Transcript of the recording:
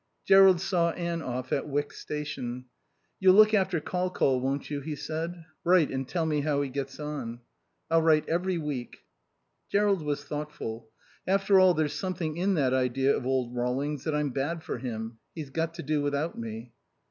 Jerrold saw Anne off at Wyck station. "You'll look after Col Col, won't you?" he said. "Write and tell me how he gets on." "I'll write every week." Jerrold was thoughtful. "After all, there's something in that idea of old Rawlings', that I'm bad for him. He's got to do without me."